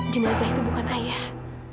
jenazah itu bukan ayah